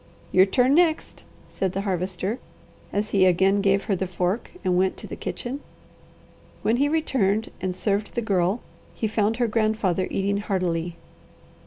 "Your turn next," said the Harvester, as he again gave her the fork and went to the kitchen. When he returned and served the Girl he found her grandfather eating heartily.